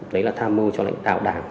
đấy là tham mưu cho lãnh đạo đảng